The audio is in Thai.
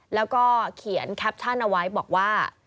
แล้วก็เขียนแคปชั่นเอาไว้บอกว่า